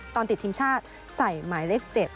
ตอนติดทีมชาติใส่หมายเลข๗